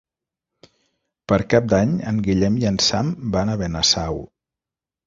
Per Cap d'Any en Guillem i en Sam van a Benasau.